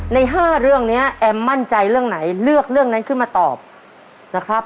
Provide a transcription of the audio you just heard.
ใน๕เรื่องนี้แอมมั่นใจเรื่องไหนเลือกเรื่องนั้นขึ้นมาตอบนะครับ